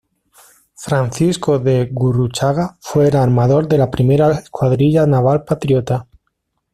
Francisco de Gurruchaga fue el armador de la primera escuadrilla naval Patriota.